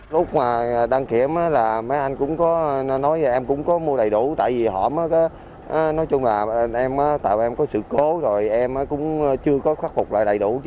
lúc mà đăng kiểm mấy anh cũng nói em có mua đầy đủ tại vì họ nói em có sự cố rồi em cũng chưa có khắc phục được